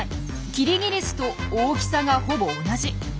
キリギリスと大きさがほぼ同じ。